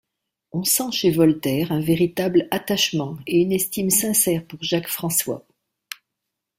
On sent chez Voltaire un véritable attachement et une estime sincère pour Jacques-François.